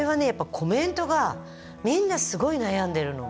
コメントがみんなすごい悩んでるの。